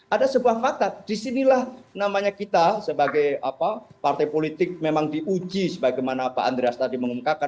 ada sebuah fakta disinilah namanya kita sebagai partai politik memang diuji sebagaimana pak andreas tadi mengumumkakan